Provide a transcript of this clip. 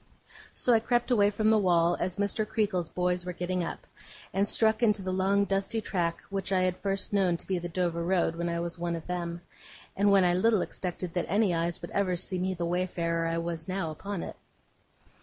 So I crept away from the wall as Mr. Creakle's boys were getting up, and struck into the long dusty track which I had first known to be the Dover Road when I was one of them, and when I little expected that any eyes would ever see me the wayfarer I was now, upon it.